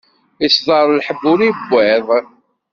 Isḍer lḥebb ur iwwiḍ.